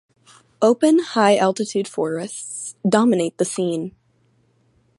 Open high-altitude forests dominate the scene.